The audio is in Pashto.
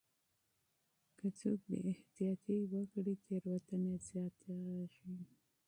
که څوک بې احتياطي وکړي تېروتنه زياتيږي.